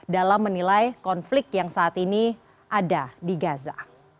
dalam menilai konflik yang saat ini ada di gaza